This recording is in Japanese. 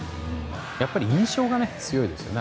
やっぱり印象が強いですよね。